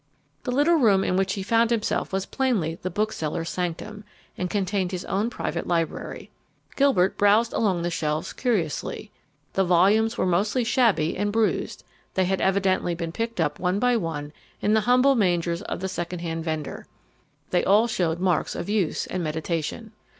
The little room in which he found himself was plainly the bookseller's sanctum, and contained his own private library. Gilbert browsed along the shelves curiously. The volumes were mostly shabby and bruised; they had evidently been picked up one by one in the humble mangers of the second hand vendor. They all showed marks of use and meditation.